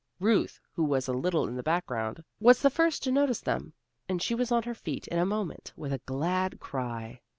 Ruth who was a little in the background was the first to notice them, and she was on her feet in a moment, with a glad cry.